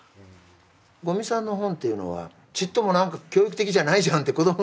五味さんの本っていうのはちっとも何か教育的じゃないじゃんって子どもも思うわけですよ。